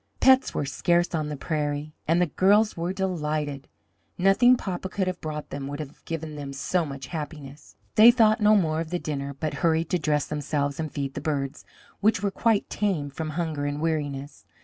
Pets were scarce on the prairie, and the girls were delighted. Nothing papa could have brought them would have given them so much happiness. They thought no more of the dinner, but hurried to dress themselves and feed the birds, which were quite tame from hunger and weariness.